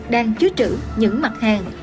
đang chứa trữ những mặt hàng